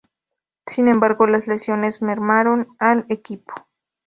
Sin embargo, las lesiones mermaron al equipo.